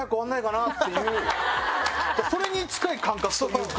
それに近い感覚というか。